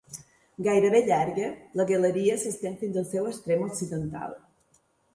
Gairebé llarga, la galeria s'estén fins al seu extrem occidental.